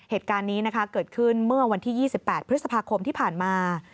เหตุการณ์นี้นะคะเกิดขึ้นเมื่อวันที่๒๘พฤษภาคมที่ผ่านมา